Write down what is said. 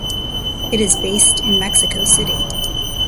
It is based in Mexico City.